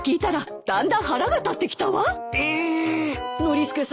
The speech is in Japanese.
ノリスケさん